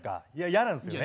嫌なんですよね。